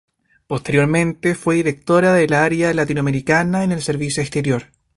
Posteriormente fue director del área latinoamericana en el Servicio Exterior.